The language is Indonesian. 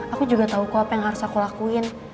aku juga tahu kok apa yang harus aku lakuin